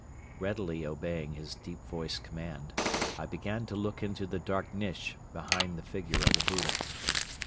Readily obeying his deep voiced command, I began to look into the dark niche behind the figure of the Buddha.